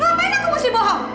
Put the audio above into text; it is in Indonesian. ngapain aku mesti bohong